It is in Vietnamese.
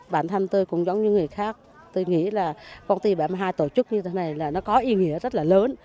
bản thân tôi cũng giống như người khác tôi nghĩ là công ty bảy mươi hai tổ chức như thế này là nó có ý nghĩa rất là lớn